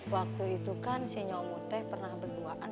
waktu itu kan si nyomot teh pernah berduaan